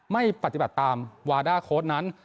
ไม่ปฏิบัติตามวาด้าโค้ดนั้น